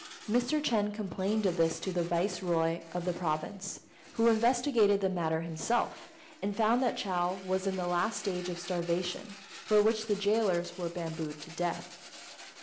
Mr. Ch'êng complained of this to the Viceroy of the province, who investigated the matter himself, and found that Chou was in the last stage of starvation, for which the gaolers were bambooed to death.